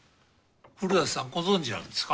古館さんご存じなんですか？